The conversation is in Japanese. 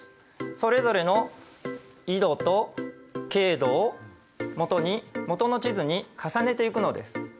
それぞれの緯度と経度をもとにもとの地図に重ねていくのです。